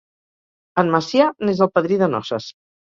En Macià n'és el padrí de noces.